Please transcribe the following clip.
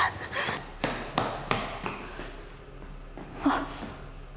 あっ。